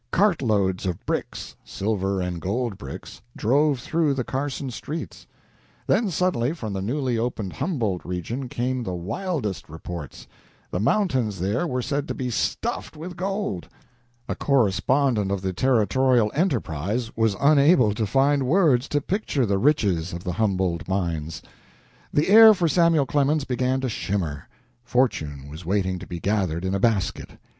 Cart loads of bricks silver and gold bricks drove through the Carson streets. Then suddenly from the newly opened Humboldt region came the wildest reports. The mountains there were said to be stuffed with gold. A correspondent of the "Territorial Enterprise" was unable to find words to picture the riches of the Humboldt mines. The air for Samuel Clemens began to shimmer. Fortune was waiting to be gathered in a basket.